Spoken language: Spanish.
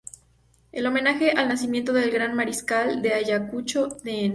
En homenaje al nacimiento del Gran Mariscal de Ayacucho Dn.